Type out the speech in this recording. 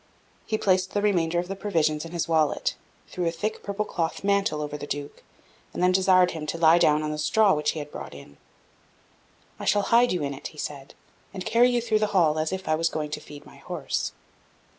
He placed the remainder of the provisions in his wallet, threw a thick purple cloth mantle over the Duke, and then desired him to lie down on the straw which he had brought in. "I shall hide you in it," he said, "and carry you through the hall, as if I was going to feed my horse."